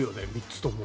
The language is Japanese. ３つとも。